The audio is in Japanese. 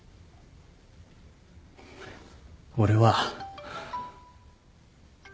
俺は。